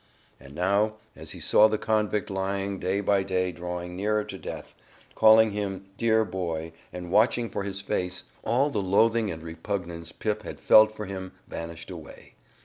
And now, as he saw the convict lying day by day drawing nearer to death, calling him "dear boy" and watching for his face, all the loathing and repugnance Pip had felt for him vanished away.